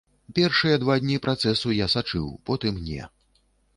Першыя два дні працэсу я сачыў, потым не.